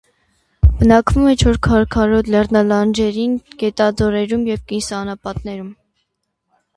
Բնակվում է չոր, քարքարոտ լեռնալանջերին, գետաձորերում և կիսաանապատներում։